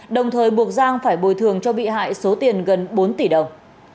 đồng thời buộc giang phải bồi thường cho bị hại số tiền gần bốn tỷ đồng